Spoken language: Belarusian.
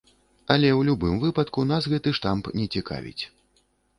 Але ў любым выпадку, нас гэты штамп не цікавіць.